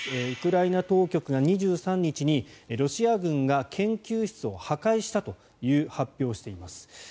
ウクライナ当局が２３日にロシア軍が研究室を破壊したという発表をしています。